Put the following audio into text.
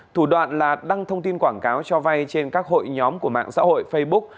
thủ đoạn là đăng thông tin quảng cáo cho vay trên các hội nhóm của mạng xã hội facebook